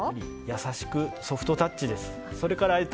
優しくソフトタッチです。